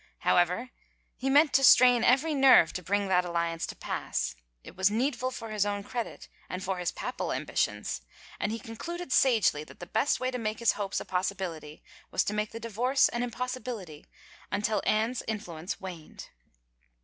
However, he meant to strain every nerve to bring that alliance to pass; it was needful for his own credit and for his papal ambitions, and he concluded sagely that the best way to make his hopes a possibility was to make the divorce an impossibility until Anne's influence waned.